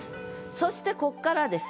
そしてこっからです。